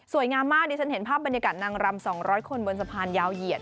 งามมากดิฉันเห็นภาพบรรยากาศนางรำ๒๐๐คนบนสะพานยาวเหยียด